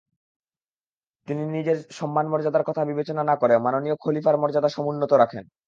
তিনি নিজের সম্মান-মর্যাদার কথা বিবেচনা না করে মাননীয় খলিফার মর্যাদা সমুন্নত রাখেন।